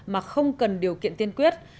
mà không cần điều kiện tiên quyết